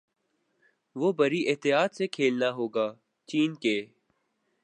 وہ بڑی احتیاط سے کھیلنا ہوگا چین کے